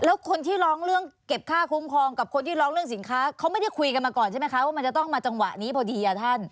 แล้วคนที่ร้องเรื่องเก็บค่าคุ้มครองกับคนที่ร้องเรื่องสินค้าเขาไม่ได้คุยกันมาก่อนใช่ไหมคะว่ามันจะต้องมาจังหวะนี้พอดีอ่ะท่าน